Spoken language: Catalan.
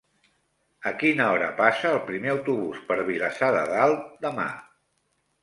A quina hora passa el primer autobús per Vilassar de Dalt demà?